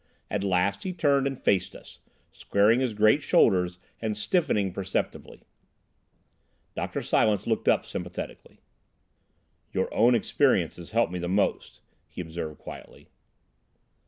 At last he turned and faced us, squaring his great shoulders, and stiffening perceptibly. Dr. Silence looked up sympathetically. "Your own experiences help me most," he observed quietly.